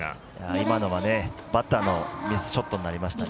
今のはバッターのミスショットになりましたね。